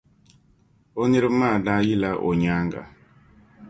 O niraba maa daa yila o nyaaŋa.